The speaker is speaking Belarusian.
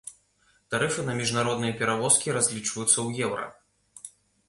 Тарыфы на міжнародныя перавозкі разлічваюцца ў еўра.